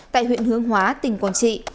tại huyện hướng hóa tỉnh quảng trị